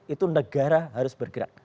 itu negara harus bergerak